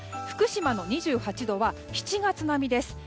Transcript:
福島の２８度は７月並みです。